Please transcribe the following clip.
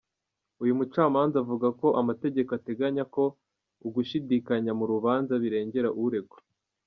Uyu mucamanza avuga ko amategeko ateganya ko ugushidikanya mu rubanza birengera uregwa.